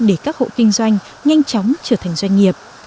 để các hộ kinh doanh nhanh chóng trở thành doanh nghiệp